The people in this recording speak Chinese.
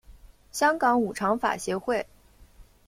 香港五常法协会